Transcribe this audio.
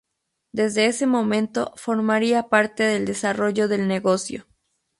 Desde ese momento, formaría parte del desarrollo del negocio.